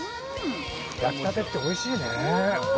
焼きたてっておいしいね。